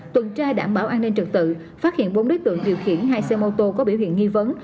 tuần tra đảm bảo an ninh trật tự phát hiện bốn đối tượng điều khiển hai xe mô tô có biểu hiện nghi vấn